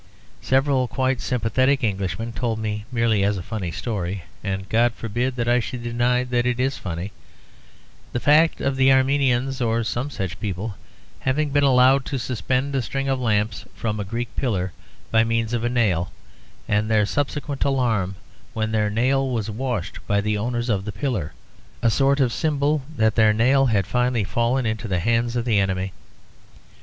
Several quite sympathetic Englishmen told me merely as a funny story (and God forbid that I should deny that it is funny) the fact of the Armenians or some such people having been allowed to suspend a string of lamps from a Greek pillar by means of a nail, and their subsequent alarm when their nail was washed by the owners of the pillar; a sort of symbol that their nail had finally fallen into the hands of the enemy.